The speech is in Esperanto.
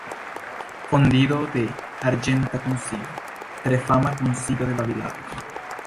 Fondinto de „Arĝenta Kunsido";, tre fama kunsido de babilado.